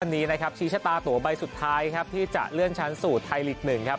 วันนี้นะครับชี้ชะตาตัวใบสุดท้ายครับที่จะเลื่อนชั้นสู่ไทยลีก๑ครับ